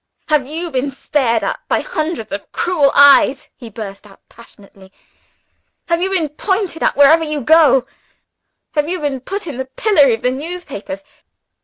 "Have you been stared at by hundreds of cruel eyes?" he burst out passionately. "Have you been pointed at, without mercy, wherever you go? Have you been put in the pillory of the newspapers?